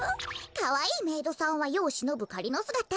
かわいいメイドさんはよをしのぶかりのすがた。